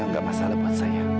eh kamu tau gak